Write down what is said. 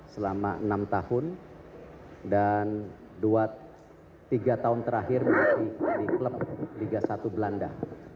selama enam tahun dan tiga tahun terakhir menjadi klub liga satu belanda